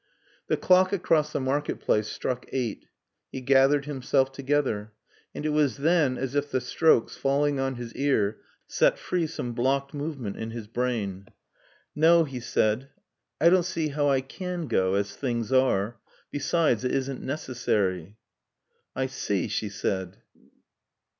The clock across the market place struck eight. He gathered himself together. And it was then as if the strokes, falling on his ear, set free some blocked movement in his brain. "No," he said, "I don't see how I can go, as things are. Besides it isn't necessary." "I see," she said.